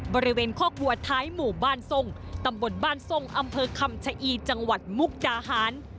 บริเวณคอกวัวท้ายหมู่บ้านทรงตำบลบ้านทรงอำเภอคำชะอีจังหวัดมุกดาหาร